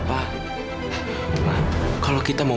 ma kalo kita mau membicarakan soal warisan terus